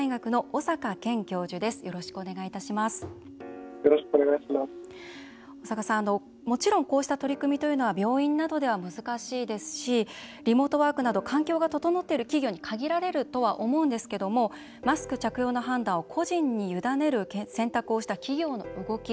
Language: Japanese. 小坂さん、もちろんこうした取り組みというのは病院などでは難しいですしリモートワークなど環境が整っている企業に限られるとは思うんですけどもマスク着用の判断を個人に委ねる選択をした企業の動き